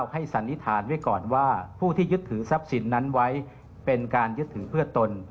สันนิษฐานไว้ก่อนว่าผู้ที่ยึดถือทรัพย์สินนั้นไว้เป็นการยึดถือเพื่อตน